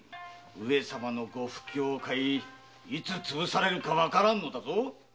上様のご不興を買いいつつぶされるのかわからんのだぞ。